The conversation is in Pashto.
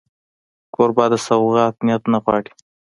کوربه د سوغات نیت نه غواړي.